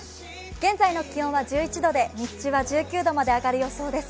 現在の気温は１１度で日中は１９度まで上がる予想です。